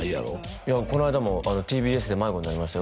いやこの間もＴＢＳで迷子になりましたよ